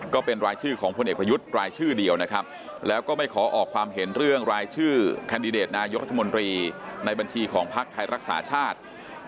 แคนดิเดสนายุทธมตรีแค่ชื่อเดียวและไม่ออกความเห็นเรื่องรายชื่อในบัญชีของพัคทรักษาชาติ